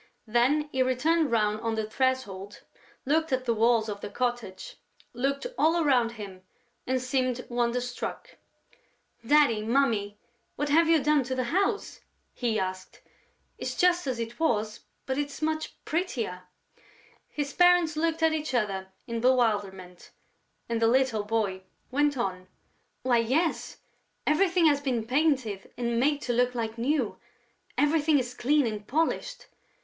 Then he turned round on the threshold, looked at the walls of the cottage, looked all around him and seemed wonderstruck: "Daddy, Mummy, what have you done to the house?" he asked. "It's just as it was, but it's much prettier." His parents looked at each other in bewilderment; and the little boy went on: "Why, yes, everything has been painted and made to look like new; everything is clean and polished....